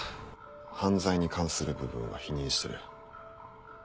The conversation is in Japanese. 犯罪に関する部分は否認してる。